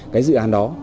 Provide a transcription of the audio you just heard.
cái dự án đó